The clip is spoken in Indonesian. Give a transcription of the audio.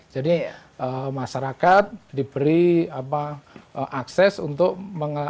jadi masyarakat diberi akses untuk memanfaatkan